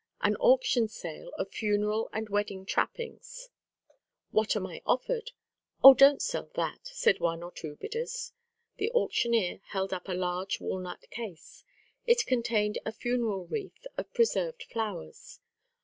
AN AUCTION SALE OF FUNERAL AND WEDDING TRAPPINGS "What am I offered?" "Oh, don't sell that!" said one or two bidders. The auctioneer held up a large walnut case. It contained a funeral wreath of preserved flowers.